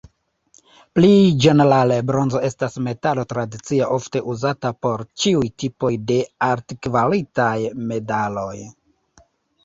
Pli ĝenerale, bronzo estas metalo tradicie ofte uzata por ĉiuj tipoj de altkvalitaj medaloj.